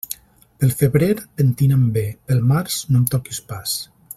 Pel febrer, pentina'm bé; pel març, no em toquis pas.